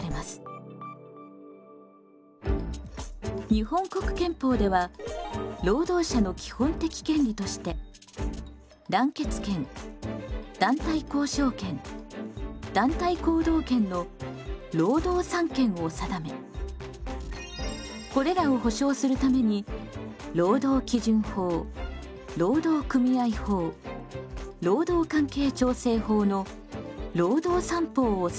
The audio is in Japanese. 日本国憲法では労働者の基本的権利として団結権団体交渉権団体行動権の労働三権を定めこれらを保障するために労働基準法労働組合法労働関係調整法の労働三法を制定しています。